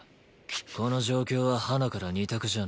この状況ははなから２択じゃねえ。